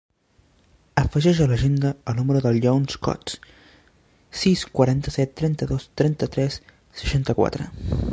Afegeix a l'agenda el número del Younes Cots: sis, quaranta-set, trenta-dos, trenta-tres, seixanta-quatre.